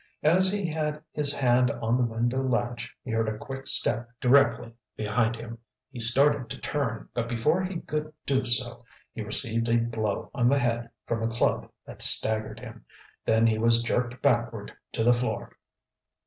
As he had his hand on the window latch he heard a quick step directly behind him. He started to turn, but before he could do so he received a blow on the head from a club that staggered him. Then he was jerked backward to the floor.